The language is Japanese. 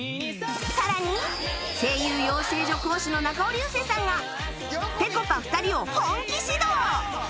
さらに声優養成所講師の中尾隆聖さんがぺこぱ２人を本気指導！